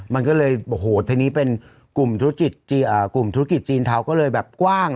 มันก็เลยโอ้โหทีนี้เป็นกลุ่มธุรกิจจีนเท้าก็เลยแบบกว้าง